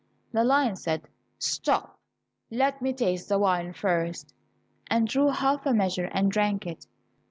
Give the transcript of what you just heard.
The lion said, "Stop, let me taste the wine first," and drew half a measure and drank it.